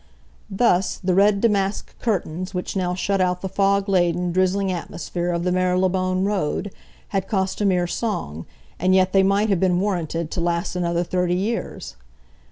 Thus the red damask curtains which now shut out the fog laden, drizzling atmosphere of the Marylebone Road, had cost a mere song, and yet they might have been warranted to last another thirty years.